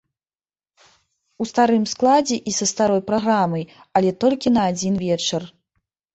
У старым складзе і са старой праграмай, але толькі на адзін вечар.